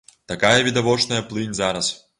Такая відавочная плынь зараз.